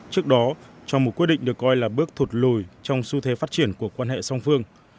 trước đó trong một quyết định được coi là bước thụt lùi trong xu thế phát triển của quan hệ song phương